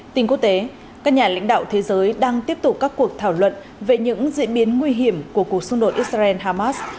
tình quốc tế các nhà lãnh đạo thế giới đang tiếp tục các cuộc thảo luận về những diễn biến nguy hiểm của cuộc xung đột israel hamas